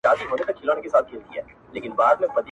الله پاک، دربارئې پاک